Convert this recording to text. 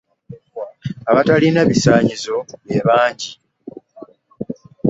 Abatalina bisaanyizo be bangi.